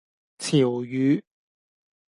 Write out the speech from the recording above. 潮語